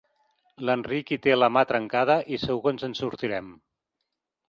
L'Enric hi té la mà trencada i segur que ens en sortirem.